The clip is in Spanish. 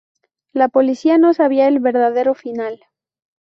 La policía no sabía el verdadero final.